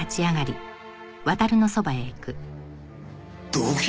動機？